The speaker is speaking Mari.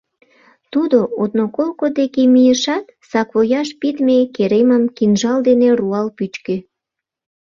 Тудо одноколко деке мийышат, саквояж пидме керемым кинжал дене руал пӱчкӧ.